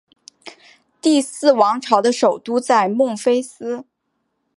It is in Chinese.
第四王朝的首都在孟菲斯。